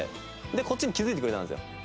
でこっちに気づいてくれたんですよ。